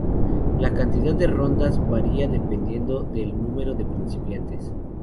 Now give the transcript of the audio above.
La cantidad de rondas varía dependiendo del número de participantes.